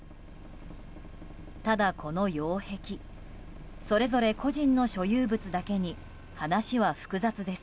ただ、この擁壁それぞれ個人の所有物だけに話は複雑です。